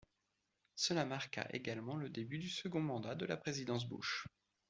Cela marqua également le début du second mandat de la présidence Bush.